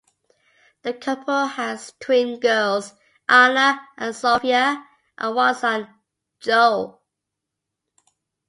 The couple has twin girls, Anna and Sofia, and one son, Joel.